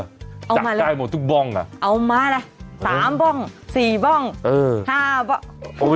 เอามาละจักรได้หมดทุกบ้องล่ะเอามาละสามบ้องสี่บ้องเออห้าบ้อง